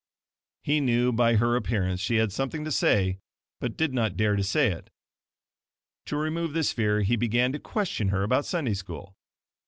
He knew by her appearance she had something to say but did not dare to say it. To remove this fear, he began to question her about Sunday School.